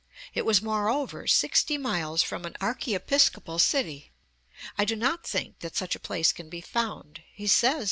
It was, moreover, sixty miles from an archiepiscopal city. I do not think that such a place can be found. He says (p.